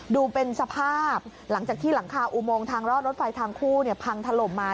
ดูเป็นสภาพหลังจากที่หลังคาอุโมงทางรอดรถไฟทางคู่พังถล่มมา